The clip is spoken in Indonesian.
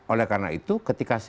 oleh karena itu ketika saya